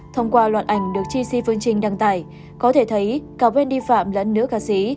thông qua loạt ảnh được chi si phương trinh đăng tải có thể thấy cả wendy phạm lẫn nữ ca sĩ